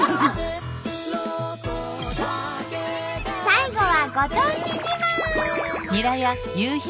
最後はご当地自慢。